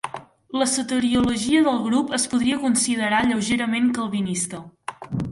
La soteriologia del grup es podria considerar lleugerament calvinista.